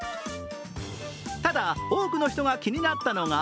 ただ多くの人が気になったのが